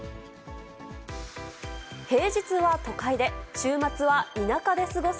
平日は都会で、週末は田舎で過ごす